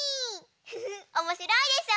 ふふおもしろいでしょ？